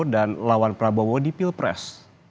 dan lawan prabowo di pilpres